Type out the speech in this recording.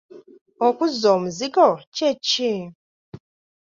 Okuzza omuzigo kye ki?